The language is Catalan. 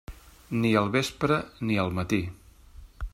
Ni al vespre ni al matí.